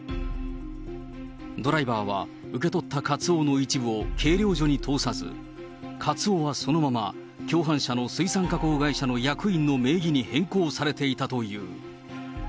ドライバーは受け取ったカツオの一部を計量所に通さず、カツオはそのまま、共犯者の水産加工会社の役員の名義に変更されていたという。